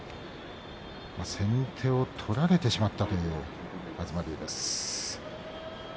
先手を取られてしまったという東龍です。